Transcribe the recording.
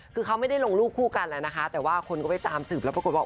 คือเขาไม่ได้ลงรูปคู่กันแล้วนะคะแต่ว่าคนก็ไปตามสืบแล้วปรากฏว่า